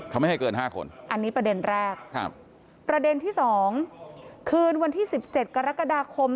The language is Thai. เขาไม่ให้เกิน๕คนครับประเด็นที่๒คืนวันที่๑๗กรกฎาคม